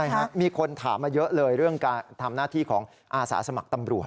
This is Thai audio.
ใช่ฮะมีคนถามมาเยอะเลยเรื่องการทำหน้าที่ของอาสาสมัครตำรวจ